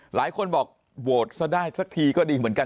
หลายคนบอกโหวตซะได้สักทีก็ดีเหมือนกัน